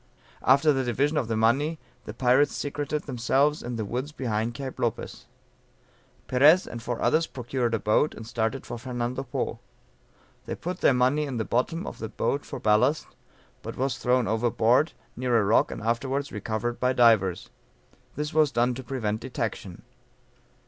After the division of the money the pirates secreted themselves in the woods behind Cape Lopez. Perez and four others procured a boat, and started for Fernando Po; they put their money in the bottom of the boat for ballast, but was thrown overboard, near a rock and afterwards recovered by divers; this was done to prevent detection.